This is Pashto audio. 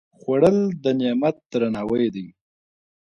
خوړل د نعمت درناوی دی